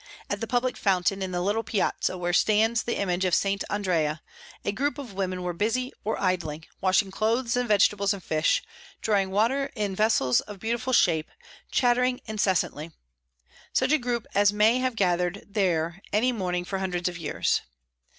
At the public fountain in the little piazza, where stands the image of Sant' Andrea, a group of women were busy or idling, washing clothes and vegetables and fish, drawing water in vessels of beautiful shape, chattering incessantly such a group as may have gathered there any morning for hundreds of years.